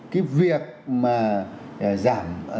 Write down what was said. cái việc mà giảm